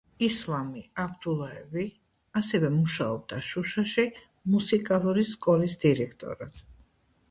ისლამი აბდულაევი ასევე მუშაობდა შუშაში მუსიკალური სკოლის დირექტორად.